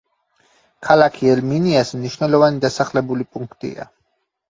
ქალაქი ელ-მინიას მნიშვნელოვანი დასახლებული პუნქტია.